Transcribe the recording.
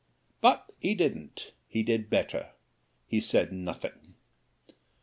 But he didn't he did better he said nothing.